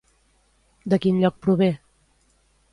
De quin lloc prové?